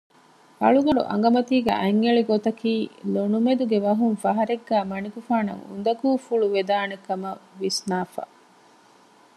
އަޅުގަނޑު އަނގަމަތީގައި އަތްއެޅިގޮތަކީ ލޮނުމެދުގެ ވަހުން ފަހަރެއްގައި މަނިކުފާނަށް އުނދަގޫފުޅު ވެދާނެކަމަށް ވިސްނައިފަ